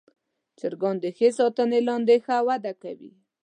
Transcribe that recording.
چرګان د ښه ساتنې لاندې ښه وده کوي.